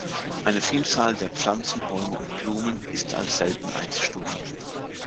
Eine Vielzahl der Pflanzen, Bäume und Blumen ist als selten einzustufen.